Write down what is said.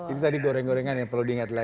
itu tadi goreng gorengan yang perlu diingat lagi